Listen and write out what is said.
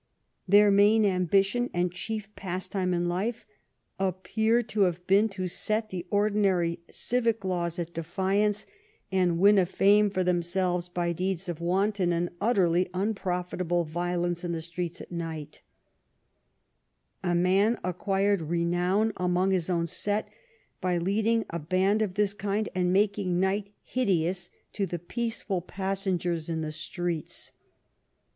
Their main ambition and chief pastime in life appear to have been to set the ordinary civic laws at defiance and win a fame for themselves 203 THE REIGN OF QUEEN ANNE by deeds of wanton and utterly unprofitable violence in the streets at night A man acquired renown among his own set by leading a band of this kind and making night hideous to the peaceful passengers in the streets.